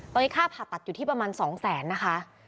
ตอนนี้ค่าผ่าตัดอยู่ที่ประมาณ๒แสนนะคะ